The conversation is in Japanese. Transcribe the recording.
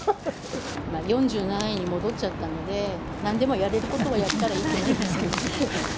４７位に戻っちゃったので、なんでもやれることはやったらいいと思いますけど。